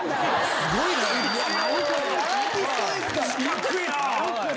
すごいね。